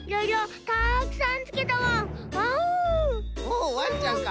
おワンちゃんか。